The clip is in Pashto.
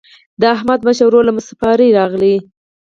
د احمد مشر ورور له مسافرۍ راغی.